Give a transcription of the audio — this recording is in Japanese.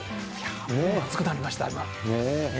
もう熱くなりました、今。